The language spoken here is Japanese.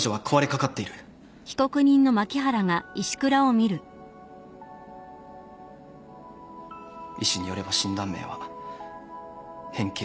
医師によれば診断名は変形性股関節症。